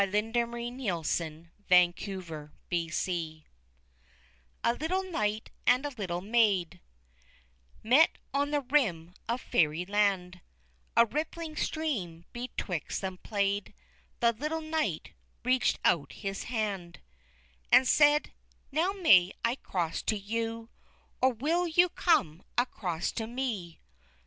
Thomas Hood (Condensed) FAIRY ADVENTURES _A little knight and little maid Met on the rim of Fairyland; A rippling stream betwixt them played; The little knight reached out his hand,_ _And said: "Now, may I cross to you, Or will you come across to me?"